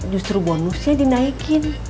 justru bonusnya dinaikin